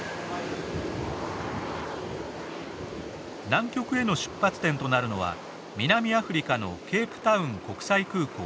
南極への出発点となるのは南アフリカのケープタウン国際空港。